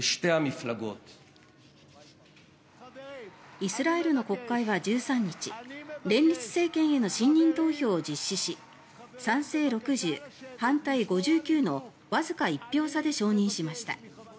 イスラエルの国会は１３日連立政権への信任投票を実施し賛成６０、反対５９のわずか１票差で承認しました。